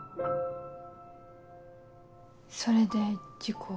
それで事故を。